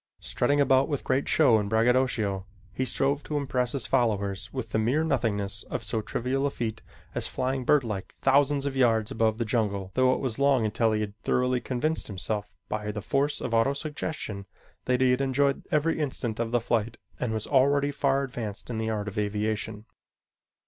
Strutting about with great show and braggadocio, he strove to impress his followers with the mere nothingness of so trivial a feat as flying birdlike thousands of yards above the jungle, though it was long until he had thoroughly convinced himself by the force of autosuggestion that he had enjoyed every instant of the flight and was already far advanced in the art of aviation.